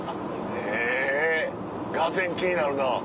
へぇがぜん気になるな。